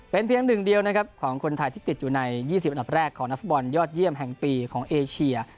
เป็นเพียงหนึ่งเดียวนะครับของคนไทยที่ติดอยู่ใน๒๐อันดับแรกของนักฟุตบอลยอดเยี่ยมแห่งปีของเอเชีย